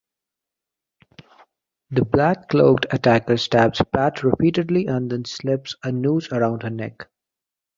The black-cloaked attacker stabs Pat repeatedly and then slips a noose around her neck.